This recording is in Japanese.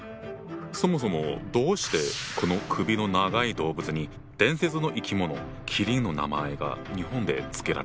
そもそもどうしてこの首の長い動物に伝説の生き物麒麟の名前が日本で付けられたんだ？